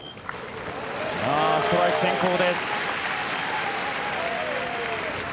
ストライク先行です。